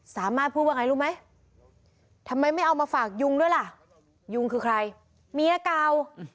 สามารถพูดว่าไงรู้ไหมทำไมไม่เอามาฝากยุงด้วยล่ะยุงคือใครเมียเก่า